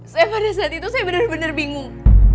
saya pada saat itu bener bener bingung